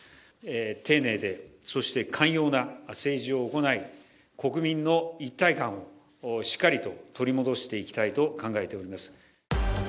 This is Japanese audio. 丁寧で、そして寛容な政治を行い、国民の一体感をしっかりと取り戻していきたいと考えております。